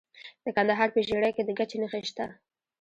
د کندهار په ژیړۍ کې د ګچ نښې شته.